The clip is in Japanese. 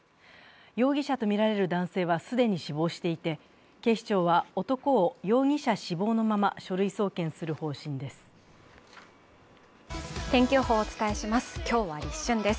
容疑者とみられる男性は既に死亡していて警視庁は男を容疑者死亡のまま書類送検する方針です。